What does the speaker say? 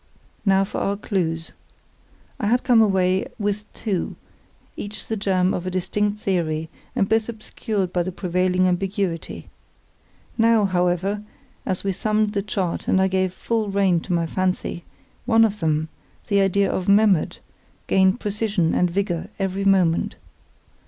Now for our clues. I had come away with two, each the germ of a distinct theory, and both obscured by the prevailing ambiguity. Now, however, as we thumbed the chart and I gave full rein to my fancy, one of them, the idea of Memmert, gained precision and vigour every moment.